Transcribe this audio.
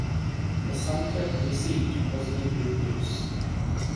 The soundtrack received positive reviews.